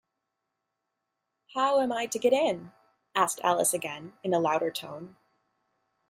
‘How am I to get in?’ asked Alice again, in a louder tone.